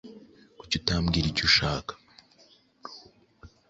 Kuki utambwira icyo ushaka?